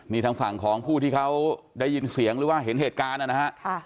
นี่ทางฝั่งของผู้ที่เขาได้ยินเสียงหรือว่าเห็นเหตุการณ์นะฮะ